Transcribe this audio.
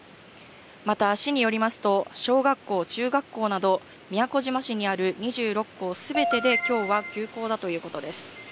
また市によりますと、小学校、中学校など、宮古島市にある２６校全てで、きょうは休校だということです。